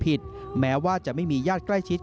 แม้ว่าจะไม่มีญาติใกล้ชิด